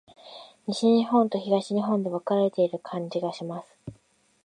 西日本と東日本で分かれている感じがします。